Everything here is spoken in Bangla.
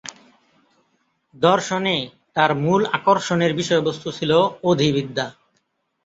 দর্শনে তার মূল আকর্ষণের বিষয়বস্তু ছিল অধিবিদ্যা।